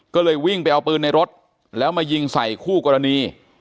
ก็เลยวิ่งไปเอาปืนในรถแล้วมายิงใส่คู่กรณี